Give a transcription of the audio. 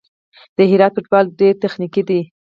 د هرات فوټبال ډېر تخنیکي دی.